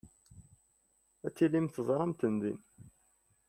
Ad tilim teẓram-ten din.